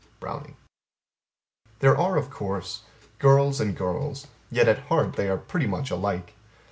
Browning There are of course, girls and girls; yet at heart they are pretty much alike.